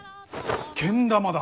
けん玉だ！